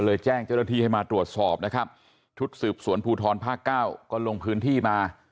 แจ้งเจ้าหน้าที่ให้มาตรวจสอบนะครับชุดสืบสวนภูทรภาคเก้าก็ลงพื้นที่มา